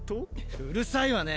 うるさいわね！